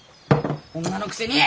女のくせに！